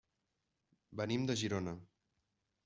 Venim de Girona.